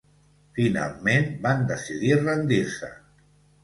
Finalment van decidir rendir-se.